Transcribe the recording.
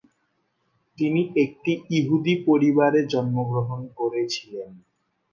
তিনি একটি ইহুদি পরিবারে জন্মগ্রহণ করেছিলেন।